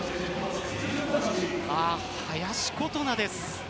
林琴奈です。